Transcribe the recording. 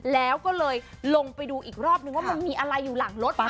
แล้วก็เลยลงไปดูอีกรอบนึงว่ามันมีอะไรอยู่หลังรถ